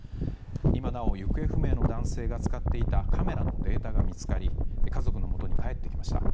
今なお、行方不明の男性が使っていたカメラのデータが見つかり家族のもとに帰ってきました。